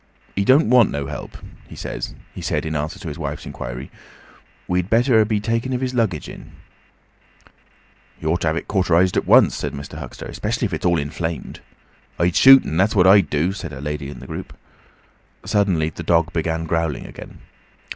"He don't want no help, he says," he said in answer to his wife's inquiry. "We'd better be a takin' of his luggage in." "He ought to have it cauterised at once," said Mr. Huxter; "especially if it's at all inflamed." "I'd shoot en, that's what I'd do," said a lady in the group. Suddenly the dog began growling again.